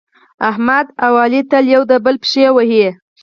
احمد او علي تل یو د بل پښې وهي.